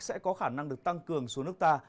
sẽ có khả năng được tăng cường xuống nước ta